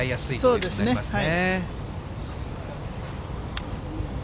そうですね。